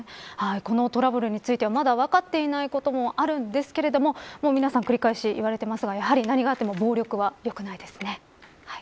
このトラブルについては、まだ分かっていないこともあるんですが皆さん、繰り返し言われてますが何があっても暴力はよくないですね。